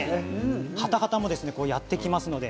ハタハタもやってきますので。